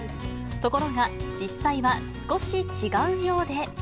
ところが、実際は少し違うようで。